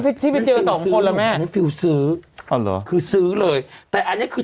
ที่ที่ไปเจอสองคนล่ะแม่ให้ฟิลซื้ออ๋อเหรอคือซื้อเลยแต่อันเนี้ยคือ